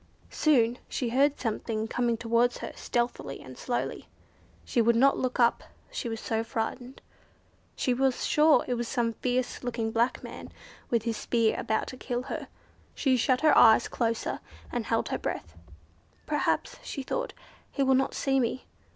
Soon she heard something coming towards her stealthily and slowly. She would not look up she was so frightened. She was sure it was some fierce looking black man, with his spear, about to kill her. She shut her eyes closer, and held her breath. "Perhaps," she thought, "he will not see me."